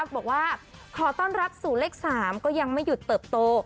บอกว่าขอต้อนรับสู่เลข๓ก็ยังไม่หยุดเติบโต